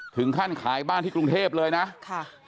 ถึงขั้นขายบ้านที่กรุงเทพเลยนะค่ะ